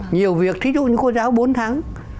nhiều việc thí dụ như cô giáo bốn tháng